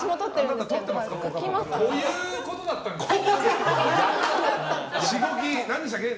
こういうことだったんですね。